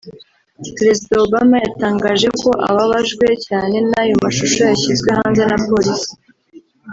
Perezida Obama yatangaje ko ababajwe cyane n’ayo mashusho yashyizwe hanze na polisi